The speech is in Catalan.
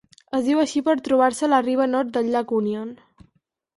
Es diu així per trobar-se a la riba nord del llac Union.